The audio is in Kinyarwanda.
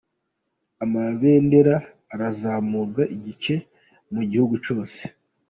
Amabendera arazamurwa igice mu gihugu cyose.